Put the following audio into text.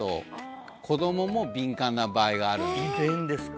遺伝ですか？